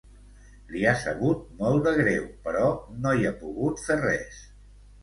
Li ha sabut molt de greu però no hi ha pogut fer res.